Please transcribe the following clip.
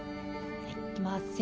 はいいきます。